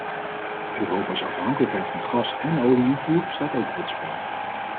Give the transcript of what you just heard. Europa's afhankelijkheid van gas- en olie-invoer staat ook op het spel.